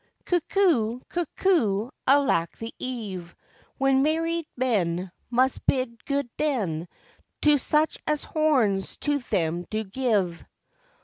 Cuckoo! cuckoo! alack the eve, When married men Must bid good den To such as horns to them do give.